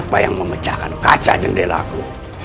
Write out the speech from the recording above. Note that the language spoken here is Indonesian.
dan mereka berhasil mengecohku